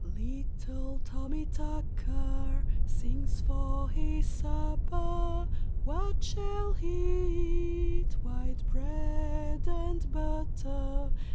] Little Tommy Tucker, Sings for his supper. What shall he eat? White bread and butter.